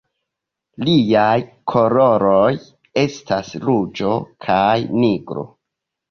Liaj koloroj estas ruĝo kaj nigro.